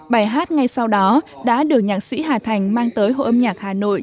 bài hát ngay sau đó đã được nhạc sĩ hà thành mang tới hội âm nhạc hà nội